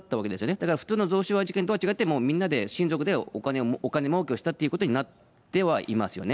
だから普通の贈収賄事件とは違って、もうみんなで、親族でお金もうけをしたということになってはいますよね。